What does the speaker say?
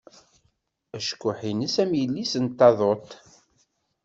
Acekkuḥ-ines am yilis n taduḍt.